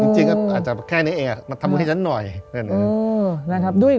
จริงอาจจะแค่ในเองมาทำให้ฉันหน่อย